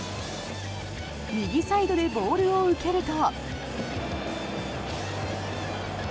右サイドでボールを受けると。